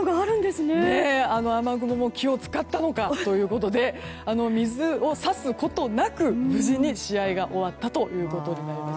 雨雲も気を使ったのかということで水をさすことなく無事に試合が終わったということになります。